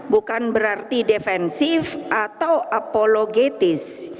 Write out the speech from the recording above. bukan berarti defensif atau apologetis